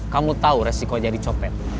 kamu tahu resiko jadi copet